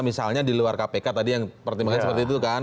misalnya di luar kpk tadi yang pertimbangannya seperti itu kan